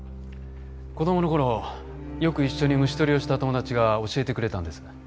子供の頃よく一緒に虫捕りをした友達が教えてくれたんです。